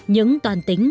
những toàn tính